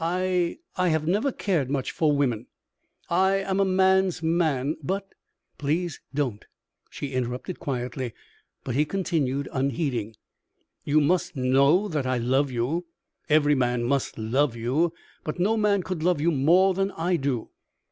I I have never cared much for women I am a man's man, but " "Please don't," she interrupted, quietly. But he continued, unheeding: "You must know that I love you. Every man must love you, but no man could love you more than I do.